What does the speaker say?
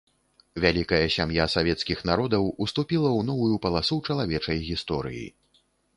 Вялікая сям'я савецкіх народаў уступіла ў новую паласу чалавечай гісторыі.